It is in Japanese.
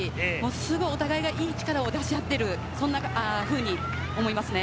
すごくお互いが、いい力を出し合っている、そんなふうに思いますね。